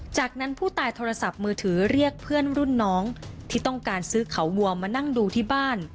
จากนั้นผู้ตายโทรศัพท์มือถือเรียกเพื่อนรุ่นน้องที่ต้องการซื้อเขาวัวมานั่งดูที่บ้าน